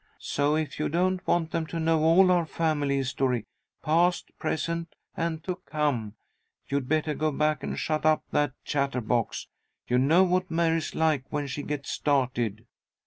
So if you don't want them to know all our family history, past, present, and to come, you'd better go back and shut up that chatterbox. You know what Mary's like when she gets started."